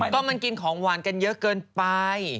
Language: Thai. ก็มันกินของหวานกันเยอะเกินไป